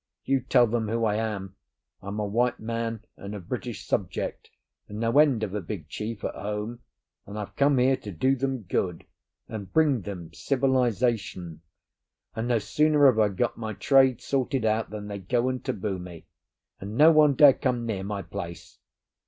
"You tell them who I am. I'm a white man, and a British subject, and no end of a big chief at home; and I've come here to do them good, and bring them civilisation; and no sooner have I got my trade sorted out than they go and taboo me, and no one dare come near my place!